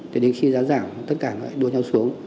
thì đến khi giá giảm tất cả nó lại đua nhau xuống